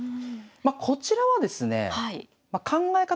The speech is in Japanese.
まこちらはですねえ